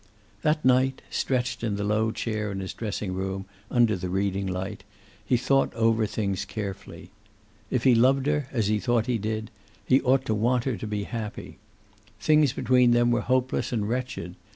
That night, stretched in the low chair in his dressing room, under the reading light, he thought over things carefully. If he loved her as he thought he did, he ought to want her to be happy. Things between them were hopeless and wretched.